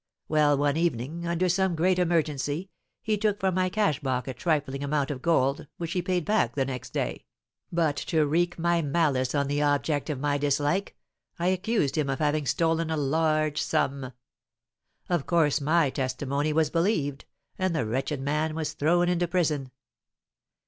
Well, one evening, under some great emergency, he took from my cash box a trifling amount of gold, which he paid back the next day; but to wreak my malice on the object of my dislike, I accused him of having stolen a large sum. Of course my testimony was believed, and the wretched man was thrown into prison.